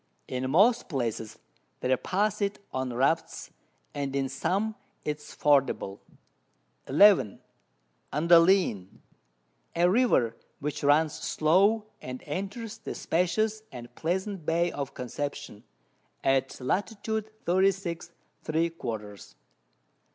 In most Places they pass it on Rafts, and in some it is fordable. 11. Andalien, a River which runs slow, and enters the spacious and pleasant Bay of Conception, at Lat. 36 three quarters.